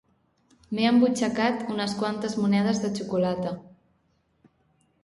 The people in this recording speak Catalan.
M'he embutxacat unes quantes monedes de xocolata